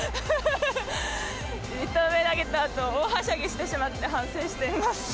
１投目投げたあと大はしゃぎしてしまって、反省しています。